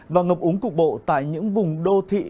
và ngập úng cục bộ tại những vùng đô thị